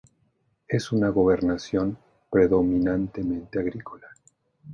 Es una gobernación predominantemente agrícola.